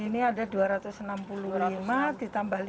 ini ada dua ratus enam puluh lima ditambah lima ratus